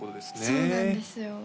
そうなんですよ